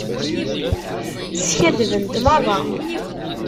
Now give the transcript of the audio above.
Skaddbent merra.